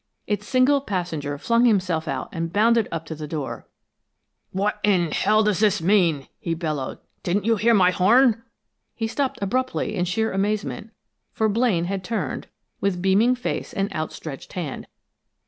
Its single passenger flung himself out and bounded up to the door. "What in h l does this mean?" he bellowed. "Didn't you hear my horn?" He stopped abruptly in sheer amazement, for Blaine had turned, with beaming face and outstretched hand.